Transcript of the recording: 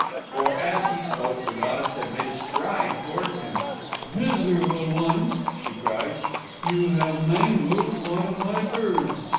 "] For, as he spoke, the goddess had made a stride towards him. "Miserable one!" she cried, "you have mangled one of my birds.